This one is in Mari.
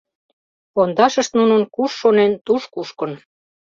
Пондашышт нунын куш шонен, туш кушкын.